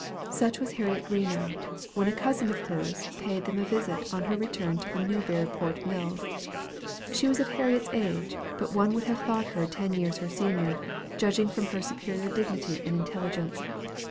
Such was Harriet Greenough, when a cousin of hers paid them a visit on her return to the Newburyport mills. She was of Harriet's age; but one would have thought her ten years her senior, judging from her superior dignity and intelligence.